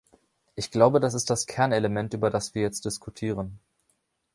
Ich glaube, das ist das Kernelement, über das wir jetzt diskutieren.